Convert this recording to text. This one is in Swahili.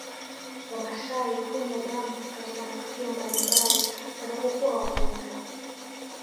Wamaasai hunywa damu katika matukio mbalimbali wanapokuwa wagonjwa